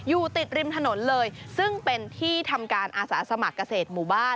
อยู่ติดริมถนนเลยซึ่งเป็นที่ทำการอาสาสมัครเกษตรหมู่บ้าน